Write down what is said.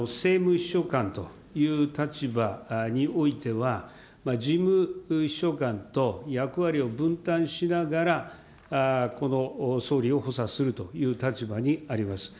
総理秘書官の中で、政務秘書官という立場においては、事務秘書官と役割を分担しながら総理を補佐するという立場にあります。